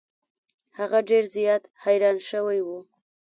هغه ډیر زیات حیران شوی و.